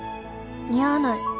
似合わない